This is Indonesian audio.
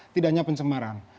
tidak hanya pencemaran